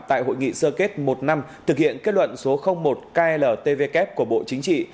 tại hội nghị sơ kết một năm thực hiện kết luận số một kltvk của bộ chính trị